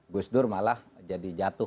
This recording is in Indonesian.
gusdur malah jadi jatuh